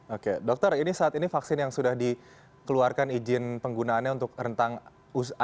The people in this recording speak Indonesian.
oke dokter ini saat ini vaksin yang sudah dikeluarkan izin penggunaannya untuk rentang usia